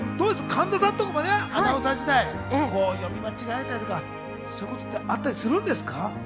神田さんとかもアナウンサー時代、原稿を読み間違えたりとか、そういうことってあったりするんですか？